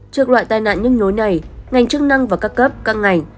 trước loại tai nạn những nối này ngành chức năng và các cấp các ngành